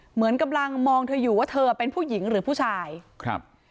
เหมือนกำลังมองเธออยู่ว่าเธอเป็นผู้หญิงหรือผู้ชายครับ